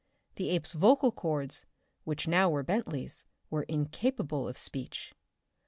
The ape's vocal cords, which now were Bentley's, were incapable of speech.